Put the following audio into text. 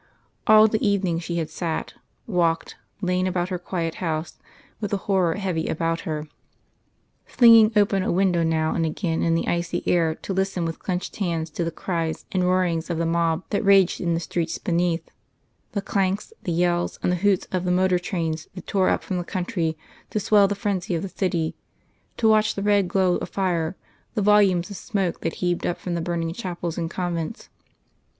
All the evening she had sat, walked, lain about her quiet house with the horror heavy about her, flinging open a window now and again in the icy air to listen with clenched hands to the cries and the roarings of the mob that raged in the streets beneath, the clanks, the yells and the hoots of the motor trains that tore up from the country to swell the frenzy of the city to watch the red glow of fire, the volumes of smoke that heaved up from the burning chapels and convents.